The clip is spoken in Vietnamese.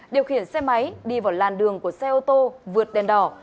điều khiển xe máy đi vào làn đường của xe ô tô vượt đèn đỏ